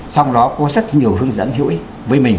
sau đó có rất nhiều hướng dẫn hữu ích với mình